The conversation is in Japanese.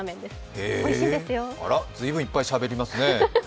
へえ、随分いっぱいしゃべりますね。